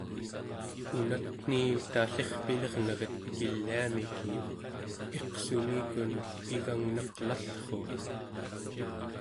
unatni tallirpilirneret kiliamiki iqsumikun igangnaq'lallruuq